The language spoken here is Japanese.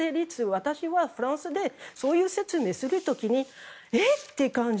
私はフランスでそういう説明をする時にえって感じ。